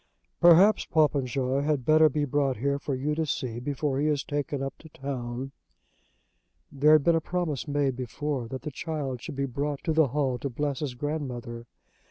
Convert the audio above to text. "Perhaps Popenjoy had better be brought here for you to see before he is taken up to town." There had been a promise made before that the child should be brought to the hall to bless his grandmother.